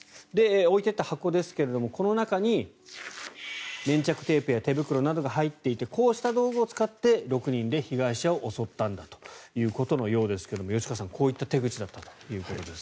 置いていった箱ですがこの中に粘着テープなどや手袋が入っていてこうした道具を使って６人で被害者を襲ったんだということのようですが吉川さん、こういった手口だったということです。